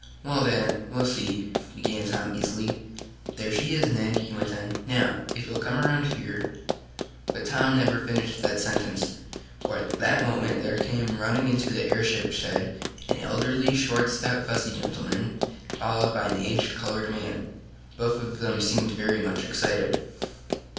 "Well, Dad, we'll see," began Tom easily. "There she is, Ned," he went on. "Now, if you'll come around here..." But Tom never finished that sentence, for at that moment there came running into the airship shed an elderly, short, stout, fussy gentleman, followed by an aged colored man. Both of them seemed very much excited.